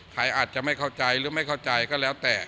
ใครอาจจะไม่เข้าใจหรือไม่เข้าใจก็แล้วแต่